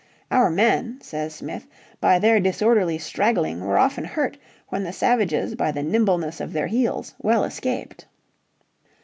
"Our men," says Smith, "by their disorderly straggling were often hurt when the savages by the nimbleness of their heels well escaped."